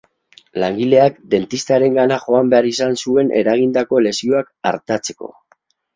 Langileak dentistarengana joan behar izan zuen eragindako lesioak artatzeko.